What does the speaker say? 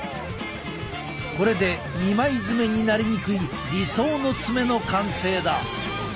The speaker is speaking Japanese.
これで二枚爪になりにくい理想の爪の完成だ。